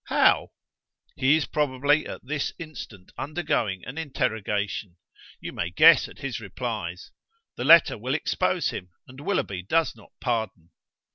"How?" "He is probably at this instant undergoing an interrogation. You may guess at his replies. The letter will expose him, and Willoughby does not pardon."